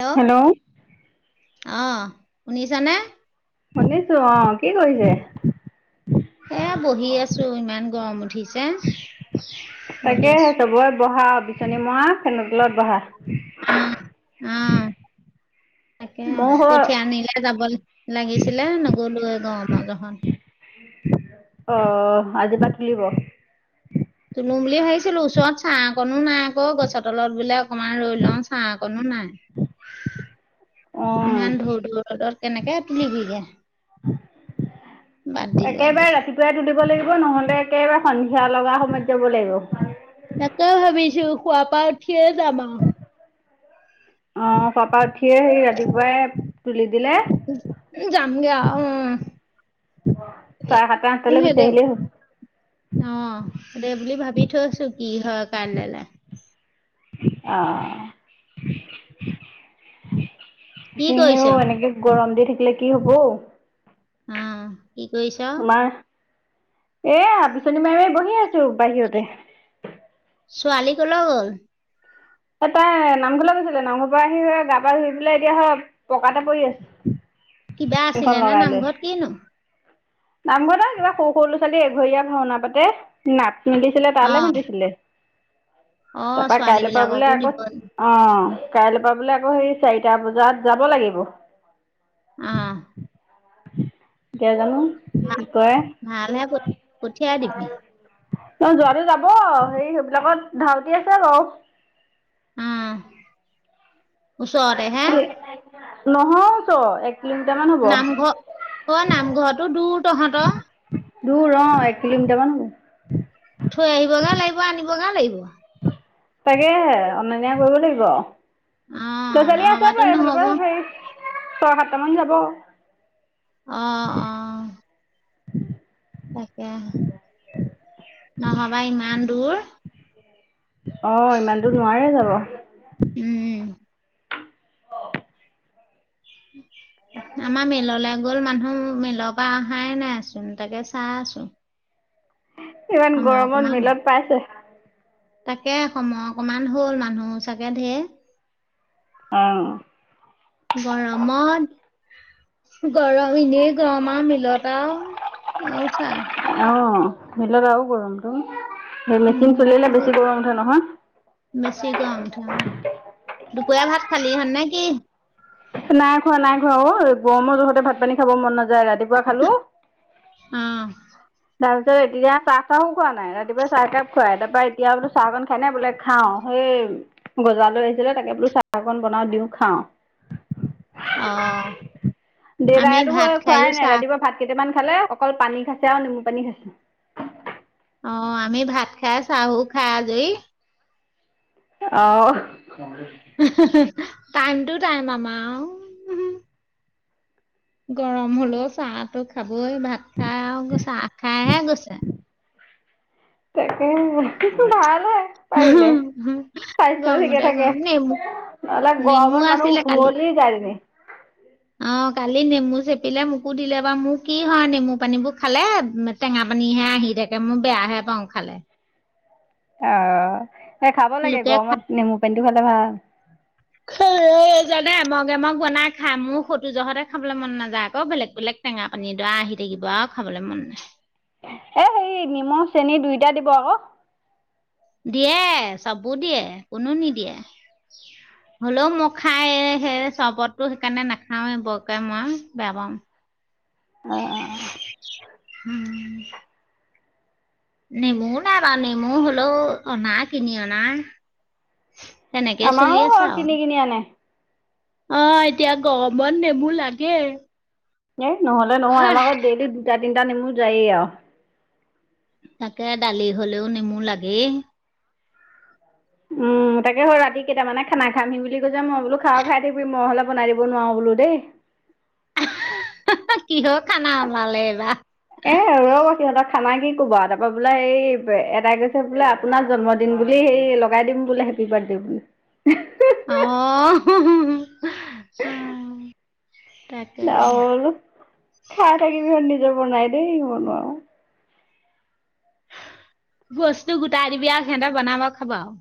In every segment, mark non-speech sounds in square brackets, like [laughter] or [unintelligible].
Hello অ' শুনিছনে? শুনিছো অ', কি কৰিছে? এ বহি আছো ইমান গৰম উঠি তাকে চবৰে বহা বিচনী মৰা ফেনৰ তলত বহা। উম, উম। তাকে মোৰ হয় কঠিয়ানিলে যাব লাগিছিলে নগ'লোয়ে গৰমৰ জহত। অ', আজি পা হ'ব। তোলো বুলি ভাবিছিলো ওচৰত ছাঁ অকনো নাই আকৌ গছৰ তলতবিলাক অকমান ৰই লওঁ ছাঁ অকনো নাই। ইমান ধূৰ ধৰ ৰ'দত তেনেকে তোলিবিগে। দিলো আজি একেবাৰে ৰাতিপুৱা পুৱাই তুলিব লাগিব নহ'লে একেবাৰে সন্ধিয়া লগা সময়ত যাব লাগিব। তাকে ভাবিছো শোৱা পা উঠিয়ে যাম আৰু। আহ শোৱা পা উঠিয়ে সেই ৰাতিপুৱাই তুলি দিলে। যামগে আৰু উম। চাৰে সাতটা আঠটৈ গুচি সেইদে আহিলেই হ'ল। অ', দে বুলি ভাবি থৈছো কি হয় কাইলৈ। অ', কি কৰিছ? কিহেও এনেকে গৰম দি থাকিলে কি হ'ব ঔ। উম। কি কৰিছা? আমাৰ এয়া বিচনী মাৰীয়ে বহি আছো বাহিৰতে। ছোৱালী ক'লৈ গ'ল? এ তাই নামঘৰলৈ গৈছিলে নামঘৰ পৰা আহি গা পা ধুই পেলাই এতিয়া হে পকাতে পৰি আছে। কিবা ফেনখন আছিলে নে নামঘৰত কিনো? নামঘৰত সেয়া কিবা সৰু সৰু ল'ৰা ছোৱালী এঘৰীয়া ভাওনা পাতে। নাট মেলিছিলে তালৈ অ', মাতিছিলে। অ', তাৰপা ছোৱালী কাইলৈ পৰা বোলে বিলাককো দিব আকৌ অ কাইলৈ পৰা বোলে আকৌ সেই চাৰিটা বজাত যাব লাগিব। অ। কিয় জানো [unintelligible] [unintelligible] কৰে ভালহে পঠ-পঠিয়াই দিবি। [unintelligible] যোৱাটো যাব সেই সেইবিলাকত ধাউতি আছে বাৰু। অ ওচৰতে হে। [unintelligible] নহয়টো এক তিনটা মান। হ'ব নামঘৰ অ নামঘৰতো দূৰ তহঁতৰ। দূৰ অ এক কিলোমিটাৰ মান হ'ব। থৈ আহিব [unintelligible] লাগিব আনিব [unintelligible] লাগিব। তাকেহে অনন্যা কৰিব লাগিব। অ', নহবাতো নহ'ব। [unintelligible] ছয় সাতটা মান যাব। অ অ। তাকে নহ'বা ইমান দূৰ। অ ইমান দূৰ নোৱাৰে যাব। উম। আমাৰ মেললৈ গ'ল মানুহ মেলক। বাহ আহাই নাই আচোন তাকে চাই আছোঁ। ইমান গৰমত অকমান মিলত পাইছে। তাকে সময় অকমান হ'ল মানুহ চাগে ঢেৰ। অ। গৰমত। গৰম এনেই গৰম আৰু মিলত আৰু আৰু চাহ। অ মিলত আৰু গৰমটো মেচিন চলিলে উম বেছি দু- গৰম উঠে নহয়। বেছি গৰম উঠে অ দুপৰীয়া ভাত খালি [unintelligible] নেকি। নাই খোৱা নাই খোৱা অ গৰমৰ জোহতে ভাত পানী খাব মন নাযায় ৰাতিপুৱা খালোঁ। অ। তাৰপিছত এতিয়া চাহ, চাহ খোৱা নাই ৰাতিপুৱা চাহ একাপ খুৱাই তাৰপৰা এতিয়া বলো চাহ কন খায়নে বোলে। খাওঁ সেই গজালৈ আহিছিলে তাকে বোলো চাহ অকন বনাও দিওঁ খাওঁ। অ' [unintelligible] আমি দেউতাইটো ভাত খোৱাই খায়ো নাই চাহ ৰাতিপুৱা ভাত। কেইটামান খালে অকল পানী খাইছে আৰু নেমু পানী খাইছে। অ আমি ভাত খাই চাহ ঊ খাই আজৰি। অহ। [unintelligible] টাইম টো টাইম আমাৰ আৰু। গৰম হ'লেও চাহটো খাবই ভাত খাই আৰু চাহ খাইহে গৈছে। তাকে ভালহে পাৰিলে। স্বাস্থ্যও ঠিকে গৰমতে থাকে গৰম নেমু নহ'লে নেমু গৰমত মানুহ আছিলে কালি শুৱলি যায় তেনে। অ কালি নেমু চেপিলে মোকো দিলে বাৰু মোৰ কি হয় নেমু পানীবোৰ খালে মান টেঙা পানীহে আহি থাকে মোৰ বেয়াহে পাওঁ খালে। অ এই খাব লাগে লোকে খা- গৰমত নেমু পানীটো খালে ভাল। [unintelligible] এ মগ, এ মগ বনাই খাই মোৰ [unintelligible] জহতে খাবলৈ মন নাযায় আকৌ বেলেগ বেলেগ। টেঙা পানী দুৰা আহি থাকিব আৰু খাবলৈ মন নাই। এই নিমখ চেনি দুইটা দিব আকৌ। দিয়ে চাববোৰ দিয়ে কোনো নিদিয়ে। হ'লেও মই খাই সেই চৰ্বতো সেইকাৰণে নাখাওঁয়ে বৰকে মই বেয়া পাওঁ। অ'। অ [inaudible] নেমুও নাইবা নেমু হলেও অনা কিনি অনা। তেনেকে চলি আমাৰো আছে হয় আৰু। কিনি কিনি আনে অ এতিয়া গৰমত নেমু লাগে এ নহ'লে নহয় আমাৰ ঘৰত ডেইলি দুটা তিনিটা নমু যায়েই আৰু তাকে দালি হ'লেও নেমু লাগেই উম তাকে হ ৰাতি কেইটামানে খানা খামহি বুলি কৈ যে মই বোলো খাৱা খাই থাকিবি মই হ'লে বনাই দিব নোৱাৰো বোলো দেই কিহৰ খানা ওলালে এইবাৰ এ ৰব সিহঁতৰ খানা কি কবা তাৰ পৰাা বোলে এই এটাই কৈছে বোলে আপোনাৰ জন্মিন দম বুলি সেই লগাই দিম বোলে হেপী বাৰ্থডে বুলি আহ অ ত ডাউল খাই থাকিবিহত নিজে বনাই দেই বন আৰু বস্তু গোটাই দিবি আৰু সিহঁতে বনাব খাবা আৰু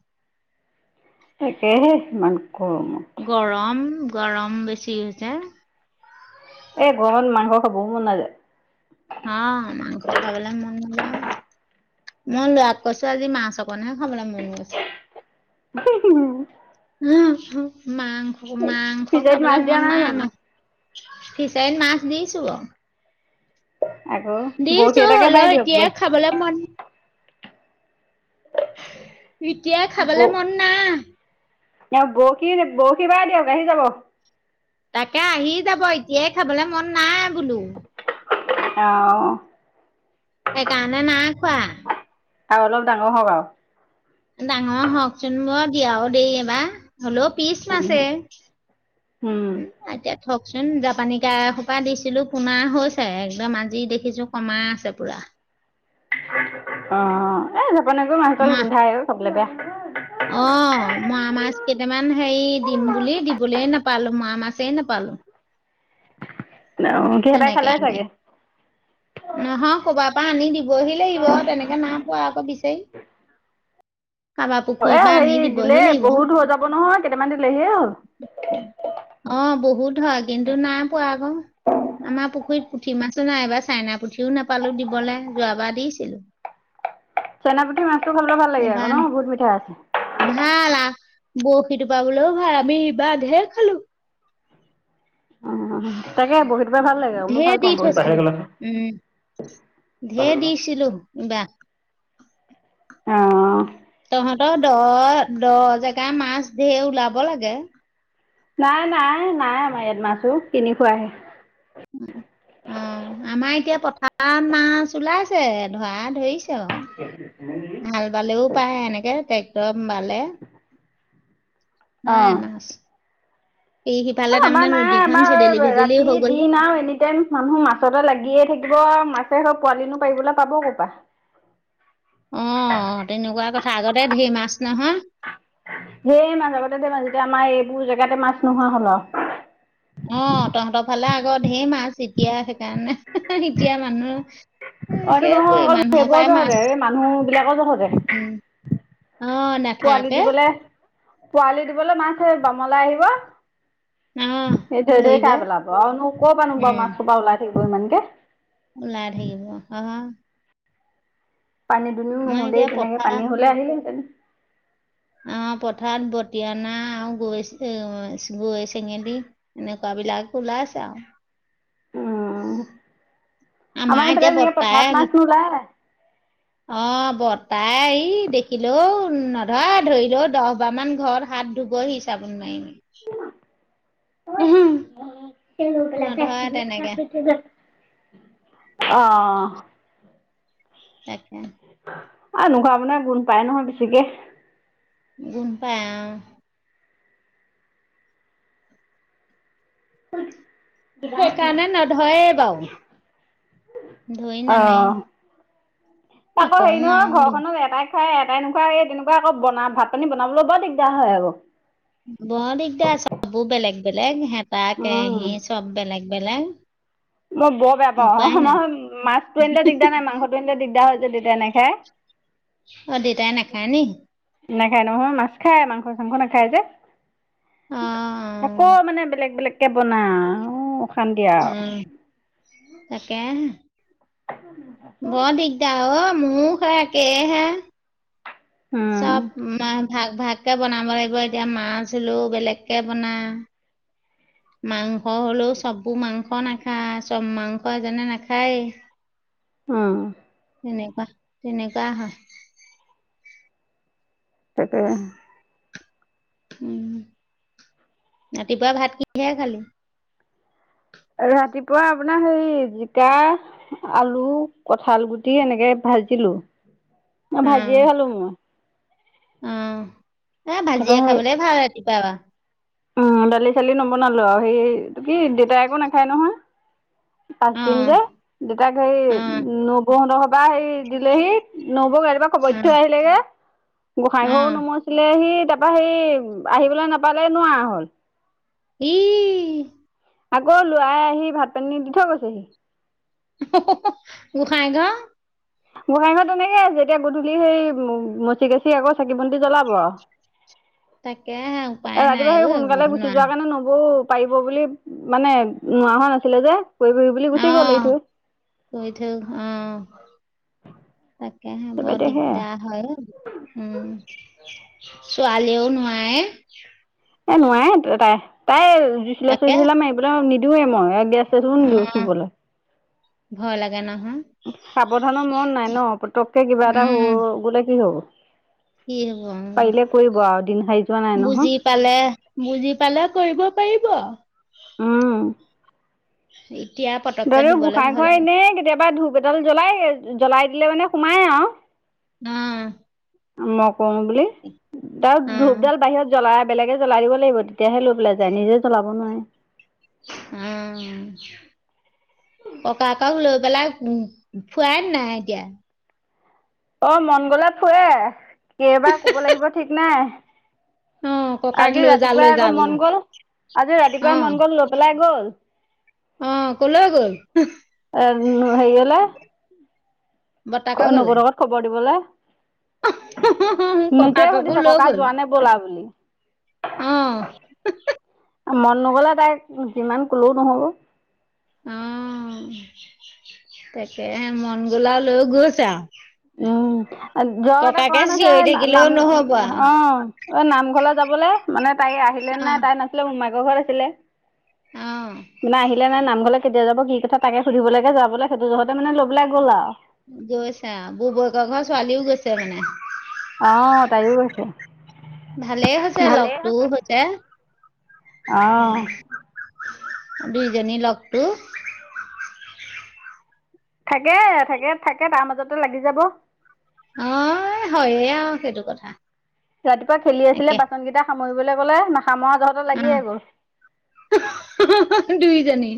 তাকেহে সিমান কৰোম গৰম গৰম বেছি হৈছে এই গৰমত মানুহৰ খ বহু মন নাযায় হ মাংস খাবলৈ মন নায় মই লৰা কৈছো আজি মা চক নহে খাবলৈ মন আছে উ মাংস মাংস ফিচাৰীত খাবলে মাছ দিয়া মন নাই আম জানো ফিচাইন মাছ দিছো অ আকৌ বৰশী দিছো এটাকে বাই হ'লও এতিয়া দিয়কগে খাবলৈ মন এতিয়াই খাবলে ব মন না বৰশী বৰশী ব দিয়ক আহি যাব তাকে আহি যাব এতিয়াই খাবলে মন নাই বোলো অ এই কাণে না খোৱা আৰু অলপ ডাঙৰ হ আৰু ডাঙৰ হওকচোন ব বিয়াও দেই এইবাৰ হলও পিছ মাছে উম, উম, উ এতিয়া থকচোন জাপানি কা এ সোপা দিছিলো পোনা হৈছে একদম আজি দেখিছো কমাই আছে পুৰা অ এ জপ ন গৌ মাছ তল মই গোন্ধাই চাবলৈ বেয়া অ মৰা মাছ কেইটামান হেৰি দিম বুলি দিবলৈ নাপালো মৰা মাছেই নাপালো কিহবাই তেনেকে খালে আনি, চাগে নহয় কবাৰ পৰা আনি দিবহি লাগিব তেনেকে নাই পোৱা আকৌ বিচাৰি কাৰোবাৰ অঁ পুখুৰীৰ এই পৰা আনি হেৰি দিবহি দিলেই লাগিব। বহুত হৈ যাব নহয় কেইটামান দিলেহি হ'ল অ বহুত হয় কিন্তু নাই পোৱা আকৌ আমাৰ পুখুৰীত পুঠি মাছো নাই এইবাৰ চাইনা পুঠিও নাপালো দিবলৈ যোৱাবাৰ দিছিলো চেন পুঠি মাছটো খাবলৈ ভাল লাগে আকৌ এইবাৰ ন বহুত মিঠাই আছে ভাল আ বৰশীটো পাবলৈও ভাল আমি বাদহে খালো উ উ তাকে বহুত বাৰে ভাল লাগে আৰু মই ঢেৰ ভাল দি পাওঁ বহুত ধঢেৰ দিছিলো কিবাক অ তহঁতৰ দহ দহ জেগা মাছ ধেৰ ওলাব লাগে নাই নাই নাই আমাৰ ইয়াত মাছো কিনি খুৱাহে অ আমাৰ এতিয়া পথাৰ তাত মাছ ওলাইছে ধৰা ধৰিছে অ [inaudible] ভাল বালেও পায় এেনেকে একদম ভালে নাই নচ উ, আমাৰ নাই আমাৰ ভেদেলি ৰাতি হৈ গ'ল যে। দিন আৰু এনি টাইম মানুহ মাছতে লাগিয়ে থাকিব মাছে হও পোৱালিনো পাৰিবলৈ পাব ক'ৰপা। অ', তেনেকুৱা কথা আগতে ধৰ মাছ নহয়। ধেৰ মাছ, আগতে যে মাজতে আমাৰ এইবোৰ জেগাতে মাছ নোহোৱা হ'ল আৰু। অ', তহঁতৰ ফালে আগৰ ঢেৰ মাছ এতিয়া সেইকাৰণে এতিয়া মানুহ এ অটো নহয় সেইবোৰে অকল মানুহৰ পৰাই সেইবোৰৰ মাছ যহতে, এই মানুহ বিলাকৰ যহতে। উম অ পোৱালি নাথাকে দিবলে, পোৱালি দিবলে মাছ হেই বামলে আহিব। অ হে ধৰি ধৰি ধৰিব খাইপেলাব আৰুনো কৰ পৰা নো বাৰু উম। মাছ খোপা ওলাই থাকিব ইমানকে। ওলাই থাকিব, অ',। পানী দুনিও আমাৰ নহলেই এতিয়া তেনেকে, পথাৰ পানী হলে অনিলোহেতেন। অ', পথাৰত বতিয়ানা আৰু গৈচে-গৈচেঙেদি। এনেকুৱা বিলাক ওলাইচে আৰু। অ', আমাৰ এতিয়া এইফালে এনেকে পঠাৰাত বৰ্তাই মাছ নোলাই। অ', বতাই ই দেখিলোও নধৰে, ধৰিলও দহ বাৰ মান ঘৰত হাত ধুবহি চাবোন মাৰি মাৰি। নধৰে তেনেকে। অ',। তাকে। অ', ঘৰৰ মানুহে গোন্ধ পায় নহয় বেছিকে। গোন্ধ পাই অ',। সেইকাৰণে নধৰেই বাৰু ধৰি [unintelligible] নানে অ',। তাকো হেৰি নকওঁ নহয় আৰু ধৰি। ঘৰখনত এটাই খাই এটাই নাখাই, এই তেনেকুৱা আকৌ বনা- ভাত পানী বনাবলৈ বৰ দিগদাৰ হয় আকৌ। বৰ দিগদাৰ শব্বোৰ বেলেগ-বেলেগ হেতা উম কেৰাহী চব বেলেগ-বেলেগ মই বৰ বেয়া পাওঁ। আমাৰ ঘৰত মাছতটো আনিলে দিগদাৰ নাই মাংসটো আনিলে দিগদাৰ হৈ যে দেতাই নাখাই। অ', দেতাই নেখাই নি? নাখায় নহয়, মাছ খাই মাংস চাংস নাখায় যে। অ অ, আকৌ মানে বেলেগ বেলেগকে বনাও অশান্তি আৰু। তাকেহে। অ বৰ দিগ দাৰ অ', মোৰো‌ সেই একেই হে। উম চব ভাগ ভাগকে বনাব লাগিব এতিয়া মাছ হলেও বেলেগকে বনা। মাংস হ'লেও শব্বোৰ মাংস নাখায়, চব মাংস এজনে নাখায়ে। অ',। তেনেকোৱা তেনেকোৱায়ে হয়। তাকে। উম, ৰাতিপুৱা ভাত কিহে খালি? ৰাতিপুৱা আপোনাৰ হেৰি জিকা আলু, কঠাল গুটি এনেকে ভাজিলো। অ মই ভাজিয়ে খালো মই। অ', এ তাৰপৰা ভাজিয়ে খাবলৈ ভাল ৰাতিপুৱা। অ', দালি-চালি নবনালো আৰু হেৰি এইটো কি দেউতাই আকৌ নাখায় নহয়। পাঁচ অ দিন যে। দেউতাক হেৰি অ নবৌহঁতৰ ঘৰৰ পৰা হেৰি দিলেহি নবৌক ৰাতিপুৱা খবৰ অ দিঠৈ আহিলেগে। গোঁসাই অ ঘৰো নোমোছিলে হি তাৰপা হেৰি আহিবলৈ নাপালেই নোৱাৰা হ'ল। ই,। আকৌ ল'ৰায়ে আহি ভাত পানী দি থৈ গৈছেহি। অ', গোঁসাই ঘৰ গোঁসাই ঘৰ তেনেকেই আছে যেতিয়া গধূলি হেৰি মঁচি কাছি আকৌ চাকি বন্তি জ্বলাব আৰু। তাকেহে। উপায় নাই ৰাতিপুৱা ঐ হেৰি সোনকালে আগবঢ় গুচি যোৱা নোৱাৰা কাৰণে নবৌ পাৰিব বুলি মানে নোৱাৰা হোৱা নাছিলে যে। কৰি ফুৰি বুলি গুচি গ'ল এৰি অ' থৈ [unintelligible] অ'। তাকেহে তাৰপৰা বৰ এতিয়া সেয়া দিগদাৰ হয় অ'। উম, ছোৱালীয়েও নোৱাৰে। [unintelligible] এ, নোৱাৰে ত' তাই, তাই জুইশলা তাকে চুইশলা মাৰিবলে নিদিওঁয়ে মই গেছ সেইটোও নিদিওঁ অ চুবলে। ভয় লাগে নহয়। সাৱধানৰ মৰণ নাই ন' পতককে কিবা এটা উম হৈ গ'লে কি হ'ব। কি হ'ব অ' পাৰিলে কৰিব আৰু দিন হাৰি যোৱা নাই নহয় বুজি পালে, বুজি পালে কৰিব পাৰিব আৰু। উম। এতিয়া পত দৰে গোঁসাই ঘৰত এনেই কেতিয়াবা ধূপ এডাল জ্বলাই জ্বলাই দিলে মানে সোমাই আৰু। উম। মই কৰোম বুলি, তাক অ ধূপডাল বাহিৰত জ্বলাই বেলেগে জ্বলাই দিব লাগিব তেতিয়াহে লৈ পেলাই যায় নিজে জ্বলাব নোৱাৰে। উম। ককাক লৈ পেলাই উম, ফুৰাই নাই এতিয়া? অ' মন গ'লে ফুৰে, কেইবাৰ ক'ব লাগিব ঠিক নাই। অ ককাক আজি লৈ যা লৈ ৰাতিপুৱাই যা আকৌ মন বুলি গ'ল, আজি অ ৰাতিপুৱাই মন গ'ল লৈ পেলাই গ'ল। অ' ক'লৈ গ'ল? [unintelligible] হেৰিয়লে। বৰ্তাকৰ ঘৰলে [unintelligible] খবৰ দিবলে। নিজেই ককাককো সুধিছে লৈ ককা গ'ল যোৱা নে ব'লা বুলি। অ'। মন নগ'লে তাই যিমান ক'লেও নহ'ব। অ' তাকেহে মন গ'ল আৰু লৈ গৈছে আৰু। অ' জ্বৰ এটা ককাকে কৰা নাছে চিঞৰি [unintelligible] থাকিলেও নাম নহব আৰু অ'। অ' নামঘৰলৈ যাবলে মানে তাই আহিলে নে অ নাই তাই নাছিলে মোমাইকোৰ ঘৰত আছিলে। অ [unintelligible] আহিলে তাই নামঘৰলৈ কেতিয়া যাব কি কথা তাকে সুধিবলৈগে যাবলৈ সেইটো যঁহতে মানে ল'বলৈ গ'ল আৰু। গৈছে আৰু বুৱেকৰ ঘৰ ছোৱালীও গৈছে মানে। অ' তাইও গৈছে। ভালেই হৈছে লগতটোও হৈছে। অ দুইজনী লগটো। থাকে থাকে থাকে তাৰ মাজতে লাগি যাব। অ' হয়ে আৰু সেইটো কথা। ৰাতিপুৱা খেলি আছিলে একে বাচনকেইটা সামৰিবলৈ গ'লে নাখা মৰা যহঁতে লাগিয়ে গ'ল। [unintelligible] দুুইজনী।